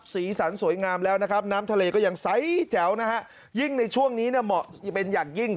สีสาบสวัสดีสวยงามแล้วนะครับน้ำทะเลอย่างไซ่แจ๋วนะฮะยิ่งในช่วงนี้เป็นอย่างยิ่ง